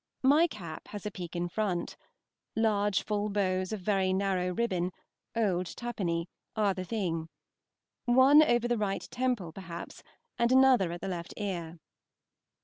My cap has a peak in front. Large full bows of very narrow ribbon (old twopenny) are the thing. One over the right temple, perhaps, and another at the left ear.